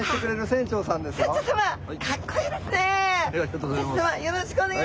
船長様よろしくお願いします。